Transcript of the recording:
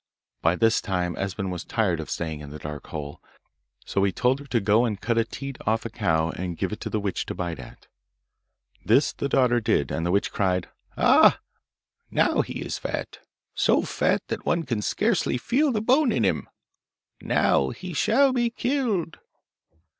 By this time Esben was tired of staying in the dark hole, so he told her to go and cut a teat off a cow, and give it to the witch to bite at. This the daughter did, and the witch cried, 'Ah! now he is fat so fat that one can scarcely feel the bone in him. Now he shall be killed.